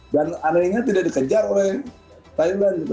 dan anehnya tidak dikejar oleh thailand